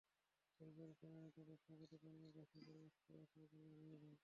সরকারি সেনারা তাদের স্বাগত জানিয়ে বাসে করে অস্থায়ী আশ্রয়কেন্দ্রে নিয়ে যায়।